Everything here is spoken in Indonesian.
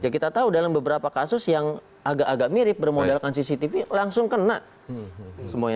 kita tahu dalam beberapa kasus yang agak agak mirip bermodalkan cctv langsung kena